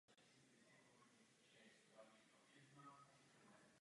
Podle koncentrace hydroxidu při tom vzniká žlutý nebo červený oxid olovnatý.